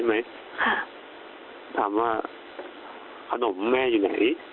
ผมถามว่าข้านมพี่แม่อยู่ไหน